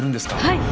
はい！